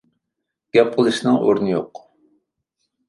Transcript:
گەپ قىلىشنىڭ ئورنى يوق.